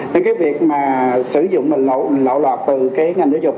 nhưng cái việc mà sử dụng mình lộ lọt từ ngành giáo dục